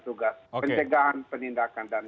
tugas pencegahan penindakan dan